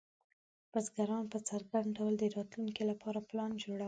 بزګران په څرګند ډول د راتلونکي لپاره پلان جوړول.